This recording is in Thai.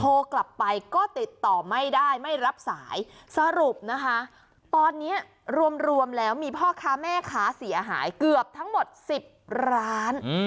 โทรกลับไปก็ติดต่อไม่ได้ไม่รับสายสรุปนะคะตอนนี้รวมแล้วมีพ่อค้าแม่ค้าเสียหายเกือบทั้งหมด๑๐ร้าน